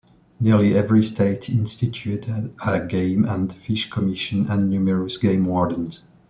Nearly every state instituted a game and fish commission and numerous game wardens.